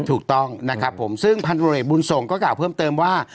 ถูกต้องนะครับผมซึ่งพันธุรกิจบุญส่งก็กล่าวเพิ่มเติมว่า